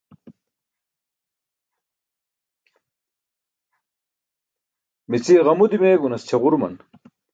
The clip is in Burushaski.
mici ġamu dimeegunas ćʰaġuruman